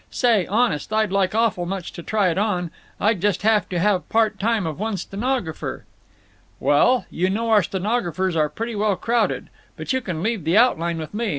Say, honest, I'd like awful much to try it on. I'd just have to have part time of one stenographer." "Well, you know our stenographers are pretty well crowded. But you can leave the outline with me.